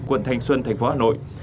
quận thanh xuân thành phố hà nội